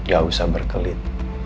gak usah berkelit